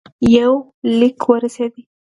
یو لیک ورسېدی.